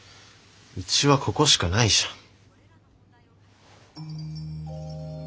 うちはここしかないじゃん。